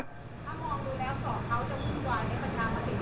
ถ้ามองดูแล้วส่องเขาจะคุยวายให้ประชาปฏิบัติอยู่ยังไงครับ